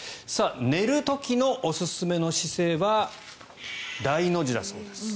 寝る時のおすすめの姿勢は大の字だそうです。